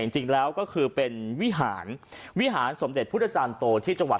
จริงแล้วก็คือเป็นวิหารวิหารสมเด็จพุทธจารย์โตที่จังหวัด